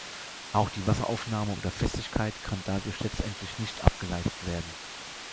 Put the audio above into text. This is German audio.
Auch die Wasseraufnahme oder Festigkeit kann dadurch letztendlich nicht abgeleitet werden.